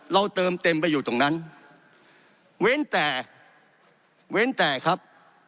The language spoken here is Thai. เราเติมเต็มไปอยู่ตรงนั้นเว้นแต่เว้นแต่ครับ